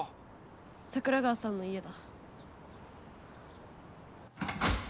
桜川さんの家だ。